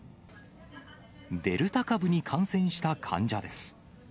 デルタ株に感染した患者です。